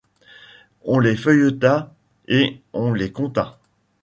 On les feuilleta et on les compta.